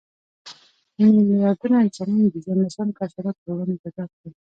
میلیاردونه انسانانو د زیان رسونکو حشراتو پر وړاندې جګړه کړې.